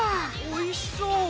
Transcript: おいしそう！